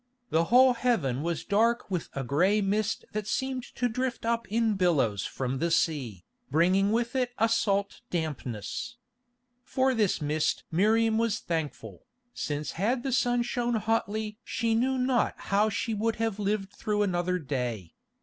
The whole heaven was dark with a gray mist that seemed to drift up in billows from the sea, bringing with it a salt dampness. For this mist Miriam was thankful, since had the sun shone hotly she knew not how she would have lived through another day.